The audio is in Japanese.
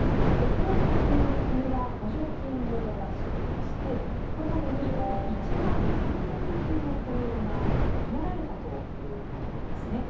この取り組みに国は補助金を出していましてこれまでに１万３０００人の雇用が守られたということなんですね。